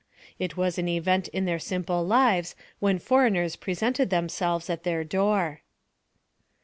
It was an event in their simple lives when foreigners presented themselves at the door.